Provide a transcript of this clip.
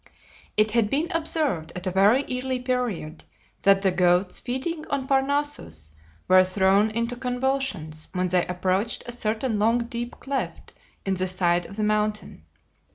It had been observed at a very early period that the goats feeding on Parnassus were thrown into convulsions when they approached a certain long deep cleft in the side of the mountain.